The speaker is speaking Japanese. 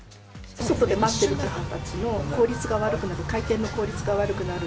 外で待ってる方たちの効率が悪くなる、回転の効率が悪くなる。